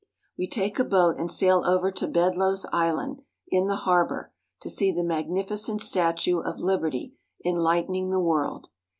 We take a boat and sail over to Bedloes Island, in the harbor, to see the magnificent statue of Liberty Enlightening the World.